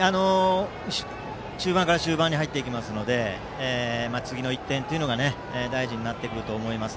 中盤から終盤に入っていきますので次の１点が大事になってくると思います。